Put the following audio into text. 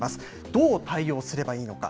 どう対応すればいいのか。